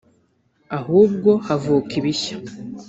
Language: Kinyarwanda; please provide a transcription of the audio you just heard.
ahubwo havuka ibishya